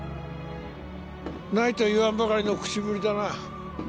ないと言わんばかりの口ぶりだな